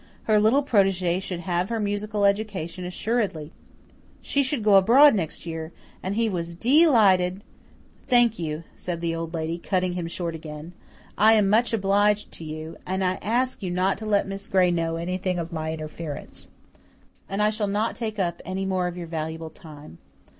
Her little protege should have her musical education assuredly she should go abroad next year and he was DE lighted "Thank you," said the Old Lady, cutting him short again. "I am much obliged to you and I ask you not to let Miss Gray know anything of my interference. And I shall not take up any more of your valuable time.